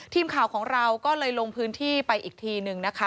ทีมข่าวของเราก็เลยลงพื้นที่ไปอีกทีนึงนะคะ